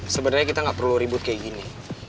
sebenernya kita gak perlu ribut kayak gini